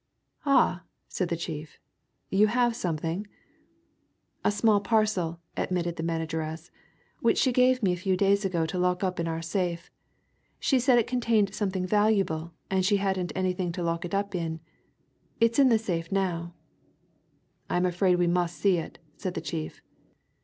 "Ah!" said the chief. "You have something?" "A small parcel," admitted the manageress, "which she gave me a few days ago to lock up in our safe. She said it contained something valuable, and she hadn't anything to lock it up in. It's in the safe now." "I'm afraid we must see it," said the chief.